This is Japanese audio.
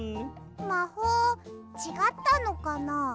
まほうちがったのかな？